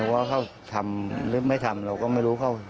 ว่าเขาทำหรือไม่ทำเราก็ไม่รู้เขา